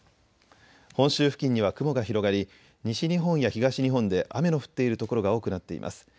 本州付近には雲が広がり西日本や東日本で雨の降っている所が多くなっています。